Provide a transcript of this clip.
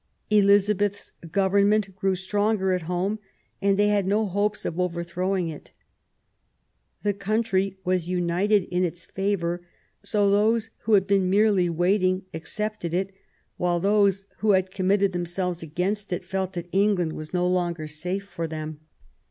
Eliza beth's government grew stronger at home, and they had no hopes of overthrowing it. The country was united in its favour ; so those who had been merely waiting accepted it, while those who had committed themselves against it felt that England was no longer safe for them.